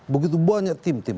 begitu banyak tim tim